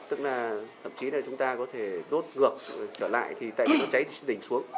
tức là thậm chí là chúng ta có thể đốt ngược trở lại thì tại vì nó cháy đỉnh xuống